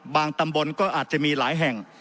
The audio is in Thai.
ตำบลก็อาจจะมีหลายแห่ง